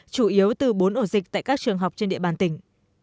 chủ yếu từ bốn ổ dịch tại các trường học trên địa bàn tỉnh